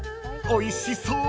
おいしそう。